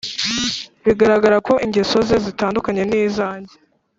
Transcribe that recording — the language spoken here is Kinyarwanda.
bigaragara ko ingeso ze zitandukanye nizange.